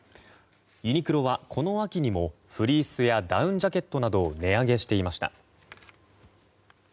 ユニクロはこの秋にもフリースやダウンジャケットなどを値上げしていました。